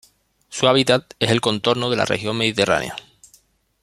Su hábitat es el contorno de la región mediterránea.